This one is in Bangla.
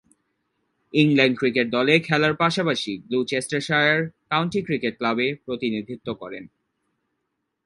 ইংল্যান্ড ক্রিকেট দলে খেলার পাশাপাশি গ্লুচেস্টারশায়ার কাউন্টি ক্রিকেট ক্লাবে প্রতিনিধিত্ব করেন।